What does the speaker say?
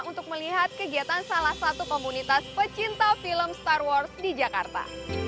untuk melihat kegiatan salah satu komunitas pecinta film star wars di jakarta